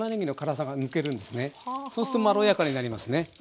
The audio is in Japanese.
そうするとまろやかになりますね。